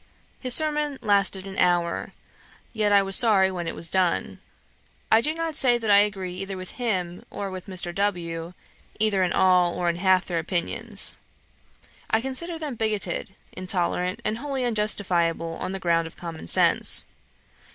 His sermon lasted an hour, yet I was sorry when it was done. I do not say that I agree either with him, or with Mr. W., either in all or in half their opinions. I consider them bigoted, intolerant, and wholly unjustifiable on the ground of common sense.